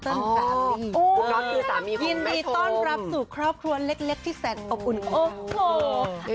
คุณน็อตคือสามียินดีต้อนรับสู่ครอบครัวเล็กที่แสนอบอุ่นโอ้โห